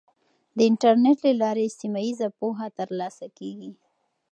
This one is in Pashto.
د انټرنیټ له لارې سیمه ییزه پوهه ترلاسه کیږي.